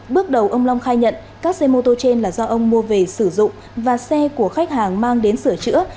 bước đầu ông long khai nhận các xe mô tô trên là do ông mua về sử dụng và xe của khách hàng mang đến sửa chữa